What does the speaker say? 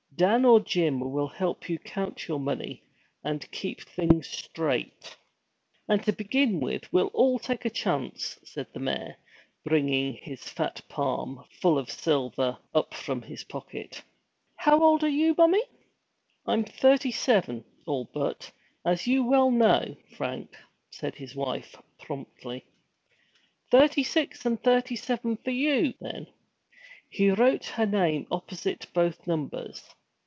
Dan or Jim will help you count your money, and keep things straight.' 'And to begin with, we'll all take a chance!' said the mayor, bringing his fat palm, full of silver, up from his pocket. 'How old are you, mommie?' 'I'm thirty seven all but, as well you know, Frank!' said his wife promptly. 'Thirty six and thirty seven for you, then!' He wrote her name opposite both numbers.